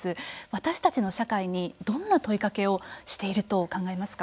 私たちの社会にどんな問いかけをしていると考えますか。